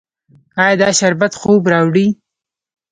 ایا دا شربت خوب راوړي؟